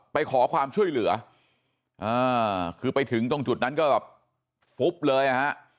ไปขอความช่วยเหลือคือไปถึงตรงจุดนั้นก็แบบฟุ๊บเลยนะฮะ